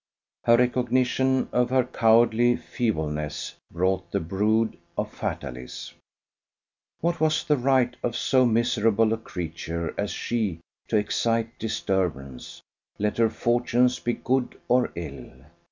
Her recognition of her cowardly feebleness brought the brood of fatalism. What was the right of so miserable a creature as she to excite disturbance, let her fortunes be good or ill?